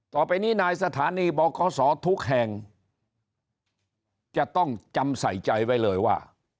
ต่อไปนี้นายสถานีบอกขอสอทุกแห่งจะต้องจำใส่ใจไว้เลยว่า